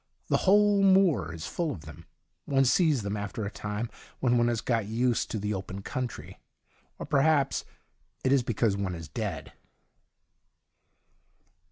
The whole moor is full of them ; one sees them after a time when one has got used to the open country — or perhaps it is because one is dead.